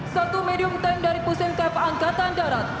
satu medium tank dari pusenkaf angkatan darat